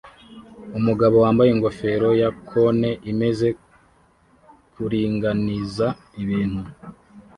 Umugabo wambaye ingofero ya cone imeze kuringaniza ibintu